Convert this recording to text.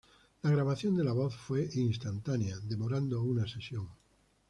La grabación de la voz fue instantánea, demorando una sesión.